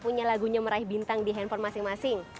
punya lagunya meraih bintang di handphone masing masing